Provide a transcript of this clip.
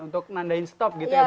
untuk menandakan stop gitu ya bu